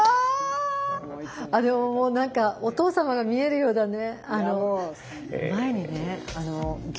でももう何かお父様が見えるようだね。